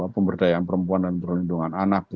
pemberdayaan perempuan dan perlindungan anak